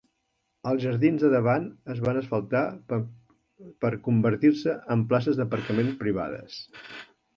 Els jardins del davant es van asfaltar per convertir-se en places d'aparcament privades.